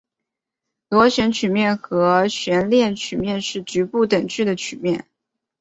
螺旋曲面和悬链曲面是局部等距的曲面。